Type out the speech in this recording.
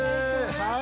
はい。